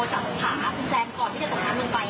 จับขาคุณแซนก่อนที่จะตกน้ำลงไป